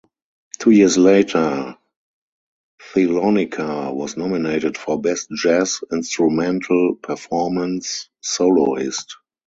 Two years later, "Thelonica" was nominated for Best Jazz Instrumental Performance, Soloist.